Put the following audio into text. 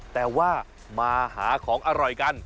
แต่ว่ามาหาของอร่อยกัน